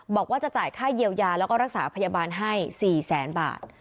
บอกว่าจะจ่ายค่าเยียวยาแล้วก็รักษาพยาบาลให้๔แสนบาท